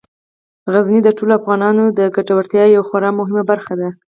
غزني د ټولو افغانانو د ګټورتیا یوه خورا مهمه برخه ده.